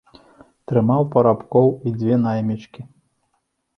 Трымаў парабкоў і дзве наймічкі.